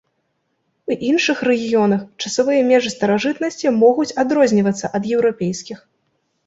У іншых рэгіёнах часавыя межы старажытнасці могуць адрознівацца ад еўрапейскіх.